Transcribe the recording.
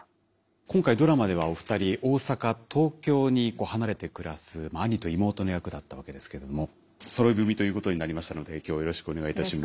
今回ドラマではお二人大阪東京に離れて暮らす兄と妹の役だったわけですけどもそろい踏みということになりましたので今日はよろしくお願いいたします。